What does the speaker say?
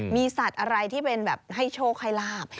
มีสัตว์อะไรที่เป็นแบบให้โชคให้ลาบ